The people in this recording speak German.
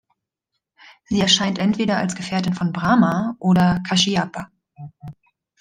Sie erscheint entweder als Gefährtin von Brahma oder Kashyapa.